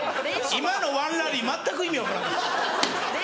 今のワンラリー全く意味分からない。